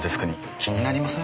気になりません？